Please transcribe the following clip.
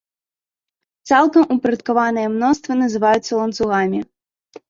Цалкам упарадкаваныя мноствы называюцца ланцугамі.